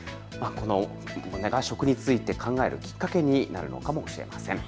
食について考えるきっかけになるのかもしれません。